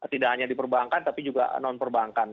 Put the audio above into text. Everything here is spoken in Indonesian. tidak hanya di perbankan tapi juga non perbankan